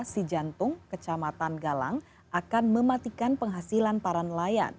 si jantung kecamatan galang akan mematikan penghasilan para nelayan